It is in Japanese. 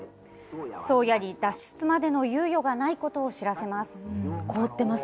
宗谷に脱出までの猶予がないことを知らせます。